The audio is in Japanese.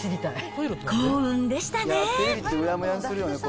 幸運でしたね。